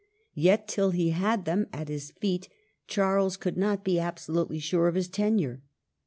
Yet, till he had them at his feet, Charles could not be absolutely sure of his tenure.